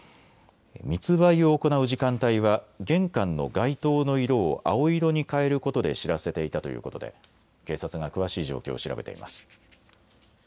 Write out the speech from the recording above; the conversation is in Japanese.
密売を行う時間帯は玄関の外灯の色を青色に変えることで知らせていたということで警察が詳しい状況を調べています。